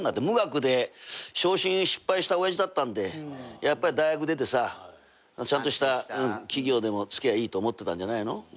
無学で昇進失敗した親父だったんでやっぱり大学出てさちゃんとした企業でもつきゃいいと思ってたんじゃないの。